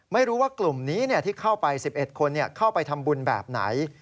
ไม่รู้ว่ากลุ่มนี้ที่เข้าไป๑๑คนเข้าไปทำบุญแบบไหน